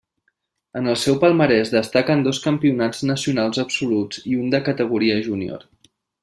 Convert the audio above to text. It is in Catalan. En el seu palmarès destaquen dos campionats nacionals absoluts i un de categoria júnior.